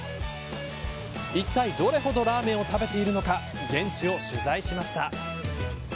いったい、どれほどラーメンを食べているのか現地を取材しました。